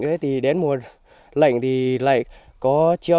thế thì đến mùa lạnh thì lạnh